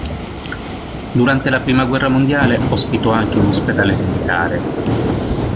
Durante la prima guerra mondiale ospitò anche un ospedale militare.